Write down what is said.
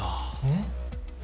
えっ？